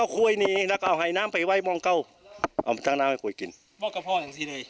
สี่รถหนีมาสี่หน้านั่งข้ามรถอยู่ชี้หน้าผมนั่งอยู่